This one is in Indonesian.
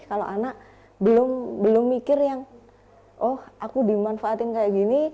kalau anak belum mikir yang oh aku dimanfaatin kayak gini